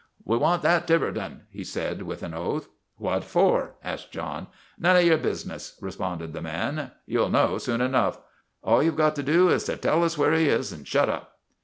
" We want that Tiverton," he said with an oath. " What for ?" asked John. " None of your business," responded the man. " You '11 know soon enough. All you 've got to do is to tell us where he is and shut up."